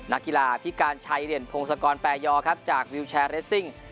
นักกีฬาพิการชัยเด่นพงศกรแปรยอครับจากวิวแชร์เรสซิ่ง